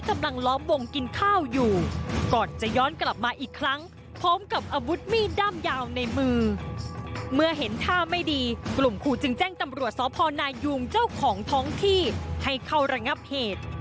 เมื่อเห็นท่าไม่ดีกลุ่มครูจึงแจ้งตำรวจสพนายุงเจ้าของท้องที่ให้เข้าระงับเหตุ